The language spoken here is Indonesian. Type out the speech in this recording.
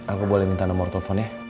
aku boleh minta nomor teleponnya